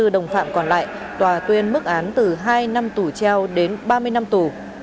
hai mươi đồng phạm còn lại tòa tuyên mức án từ hai năm tù treo đến ba mươi năm tù